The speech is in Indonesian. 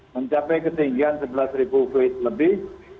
mencapai ketinggian sebelas voice lebih